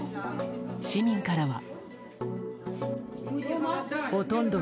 市民からは。